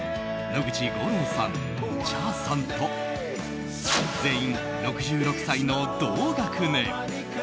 野口五郎さん、Ｃｈａｒさんと全員、６６歳の同学年。